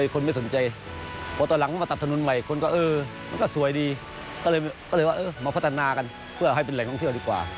ก็ไม่ชอบเล่นน้ำตกชื่อน้องน้อยน้องสาวก็ใหญ่เองเลย